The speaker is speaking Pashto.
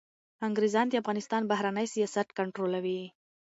انګریزان د افغانستان بهرنی سیاست کنټرولوي.